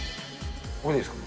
これでいいですか？